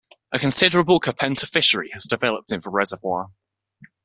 A considerable kapenta fishery has developed in the reservoir.